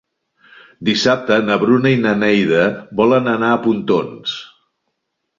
Dissabte na Bruna i na Neida volen anar a Pontons.